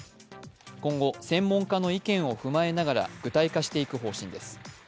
今後、専門家の意見を踏まえながら具体化していく方針です。